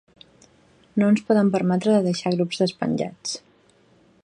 No ens podem permetre de deixar grups despenjats.